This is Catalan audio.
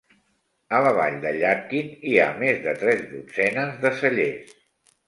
A la vall de Yadkin hi ha més de tres dotzenes de cellers.